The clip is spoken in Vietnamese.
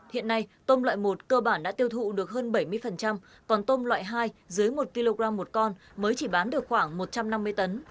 hiện nay tôm loại một cơ bản đã tiêu thụ được hơn bảy mươi còn tôm loại hai dưới một kg một con mới chỉ bán được khoảng một trăm năm mươi tấn